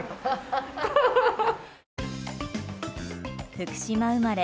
福島生まれ